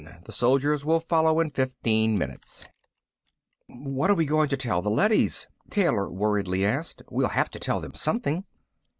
The soldiers will follow in fifteen minutes." "What are we going to tell the leadys?" Taylor worriedly asked. "We'll have to tell them something."